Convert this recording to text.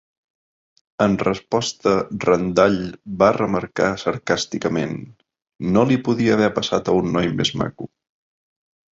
En resposta, Randall va remarcar sarcàsticament: No li podia haver passat a un noi més maco.